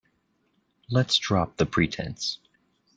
Let’s drop the pretence